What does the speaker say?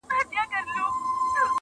قاسم یار که ستا په سونډو مستانه سوم